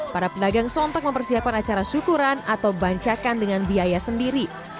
para pedagang sontak mempersiapkan acara syukuran atau bancakan dengan biaya sendiri